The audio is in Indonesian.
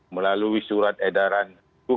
melalui surat edaran tuh